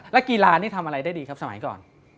แล้วกีฬานี่ทำอะไรได้ดีครับสมัยก่อน